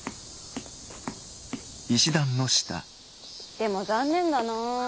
でも残念だなー。